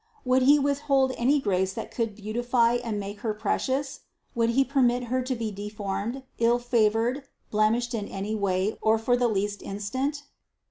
Would He withhold any grace that could beautify and make Her precious? Would He permit Her to be deformed, ill favored, blemished in any way or for the least instant?